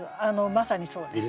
まさにそうです。